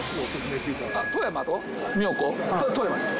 富山です